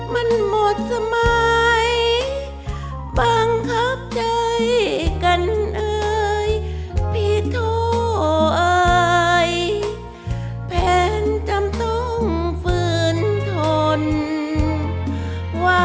มันหมดสมัยบังคับใจกันเอ่ยพี่โทรเอ่ยแผนจำต้องฝืนทนว่า